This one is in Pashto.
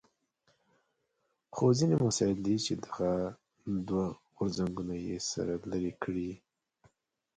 خو ځینې مسایل دي چې دغه دوه غورځنګونه یې سره لرې کړي.